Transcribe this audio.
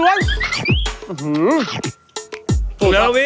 วินแล้ว